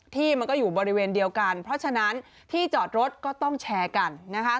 ที่มันก็อยู่บริเวณเดียวกันเพราะฉะนั้นที่จอดรถก็ต้องแชร์กันนะคะ